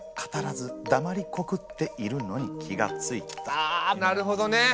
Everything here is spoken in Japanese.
あなるほどね。